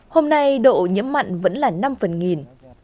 hôm nay độ nhiễm mặn vẫn là năm phần nghìn